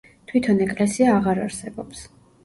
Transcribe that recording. თვითონ ეკლესია აღარ არსებობს.